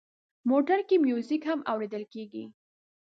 موټر کې میوزیک هم اورېدل کېږي.